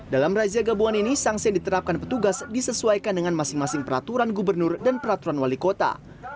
dalam razia gabungan ini sanksi yang diterapkan petugas disesuaikan dengan masing masing peraturan gubernur dan peraturan wali kota